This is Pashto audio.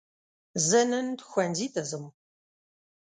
زه نن ښوونځي ته ځم.